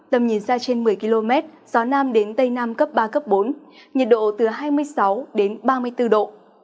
tầm nhìn ra trên một mươi km gió nam đến tây nam cấp ba cấp bốn nhiệt độ từ hai mươi sáu đến ba mươi bốn độ